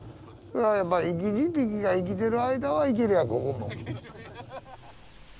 やっぱ生き字引が生きてる間はいけるやここも。